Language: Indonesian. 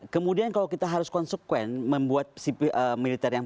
kemudian kalau kita harus konsekuensi membuat sipil militer yang prokronis